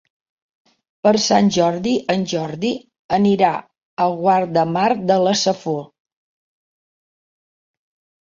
Per Sant Jordi en Jordi anirà a Guardamar de la Safor.